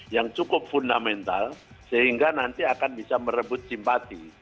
yang cukup fundamental sehingga nanti akan bisa merebut simpati